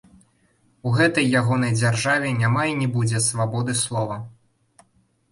У гэтай ягонай дзяржаве няма й не будзе свабоды слова.